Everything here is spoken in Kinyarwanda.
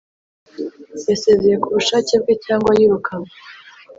Yasezeye ku bushake bwe cyangwa yirukanwe?